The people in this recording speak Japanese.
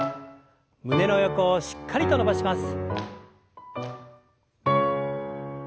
胸の横をしっかりと伸ばします。